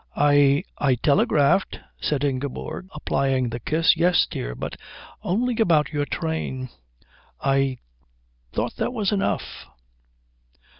"I I telegraphed," said Ingeborg, applying the kiss. "Yes, dear, but only about your train." "I thought that was enough."